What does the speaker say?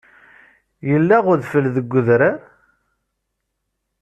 Yella udfel deg udrar?